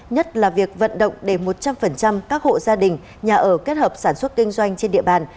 nhất là việc vận động để một trăm linh các hộ gia đình nhà ở kết hợp sản xuất kinh doanh trên địa bàn